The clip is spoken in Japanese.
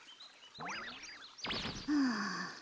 はあ。